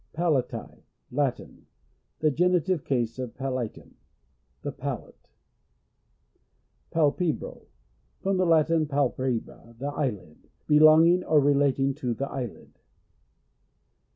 Palati. — Latin. (The genitive case of palatum.) The palate. Palpebral. — From the Latin, palpe lira, the eye lid. Belonging or re lating to the eyelid.